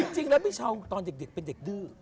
จริงแล้วพี่เช้าตอนเด็กเป็นเด็กดื้อ